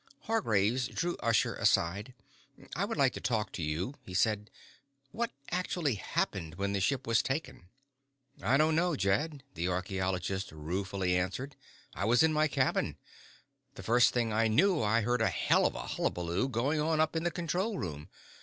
Hargraves drew Usher aside. "I would like to talk to you," he said. "What actually happened when the ship was taken?" "I don't know, Jed," the archeologist ruefully answered. "I was in my cabin. The first thing I knew I heard a hell of a hullabaloo going on up in the control room.